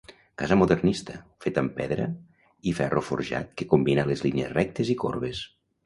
Casa modernista, feta amb pedra i ferro forjat que combina les línies rectes i corbes.